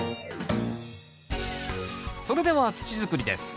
それでは土づくりです。